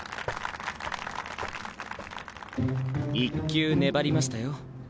１球粘りましたよ。